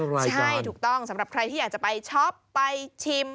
ใช่ถูกต้องสำหรับใครที่อยากจะไปช็อปไปชิม